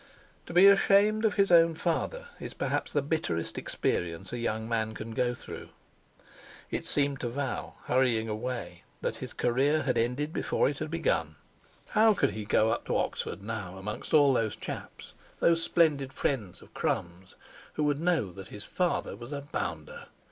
To be ashamed of his own father is perhaps the bitterest experience a young man can go through. It seemed to Val, hurrying away, that his career had ended before it had begun. How could he go up to Oxford now amongst all those chaps, those splendid friends of Crum's, who would know that his father was a "bounder".